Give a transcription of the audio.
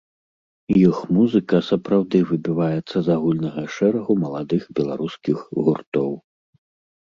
Іх музыка сапраўды выбіваецца з агульнага шэрагу маладых беларускіх гуртоў.